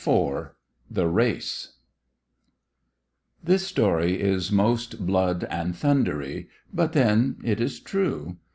IV THE RACE This story is most blood and thundery, but, then, it is true.